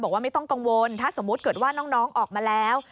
บอกว่าไม่ต้องกังวลถ้าสมมุติเกิดว่าน้องออกมาแล้ว